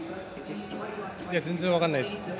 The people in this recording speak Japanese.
いやもう全然分からないです。